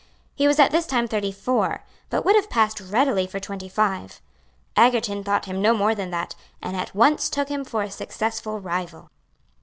He was at this time thirty four, but would have passed readily for twenty five. Egerton thought him no more than that, and at once took him for a successful rival.